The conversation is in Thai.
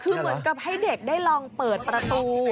คือเหมือนกับให้เด็กได้ลองเปิดประตู